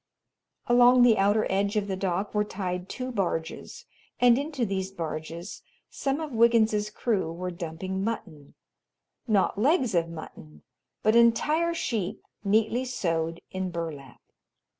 Along the outer edge of the dock were tied two barges, and into these barges some of Wiggins's crew were dumping mutton not legs of mutton but entire sheep, neatly sewed in burlap.